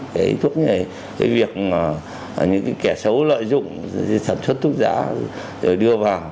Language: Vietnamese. cái thuốc này cái việc mà những cái kẻ xấu lợi dụng sản xuất thuốc giả đưa vào